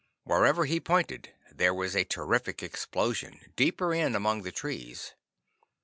Wherever he pointed there was a terrific explosion, deeper in among the trees.